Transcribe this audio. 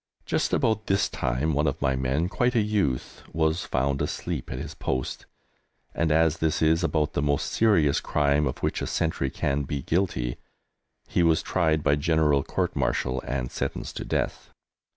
Just about this time one of my men, quite a youth, was found asleep at his post, and as this is about the most serious crime of which a sentry can be guilty, he was tried by General Court Martial and sentenced to death.